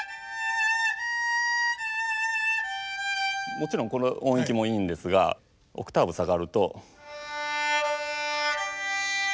もちろんこの音域もいいんですがオクターブ下がると。